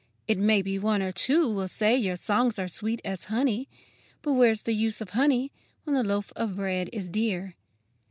It may be one or two will say your songs are sweet as honey, But where's the use of honey, when the loaf of bread is dear?